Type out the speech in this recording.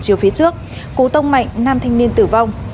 trường phía trước cú tông mạnh năm thanh niên tử vong